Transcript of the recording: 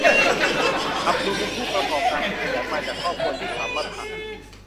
อับดุลเป็นผู้ประกอบการที่ขยัน มาจากครอบครัวที่สมถะ